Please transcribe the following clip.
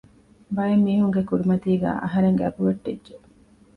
ބައެއް މީހުންގެ ކުރިމަތީގައި އަހަރެންގެ އަގު ވެއްޓިއްޖެ